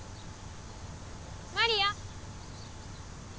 マリア！